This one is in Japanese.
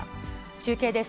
中継です。